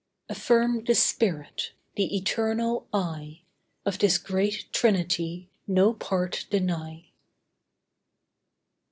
Affirm the spirit, the Eternal I— Of this great trinity no part deny.